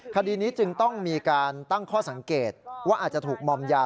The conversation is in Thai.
คดีนี้จึงต้องมีการตั้งข้อสังเกตว่าอาจจะถูกมอมยา